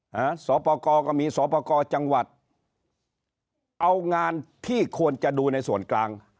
ฮะสอปกรก็มีสอบประกอบจังหวัดเอางานที่ควรจะดูในส่วนกลาง